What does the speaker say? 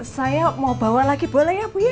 saya mau bawa lagi boleh ya bu ya